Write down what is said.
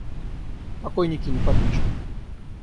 Покойники неподвижны.